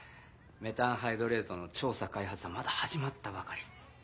メタンハイドレートの調査・開発はまだ始まったばかり。